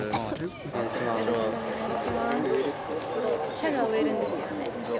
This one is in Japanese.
シャガ植えるんですよね？